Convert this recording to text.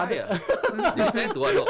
jadi saya tua dok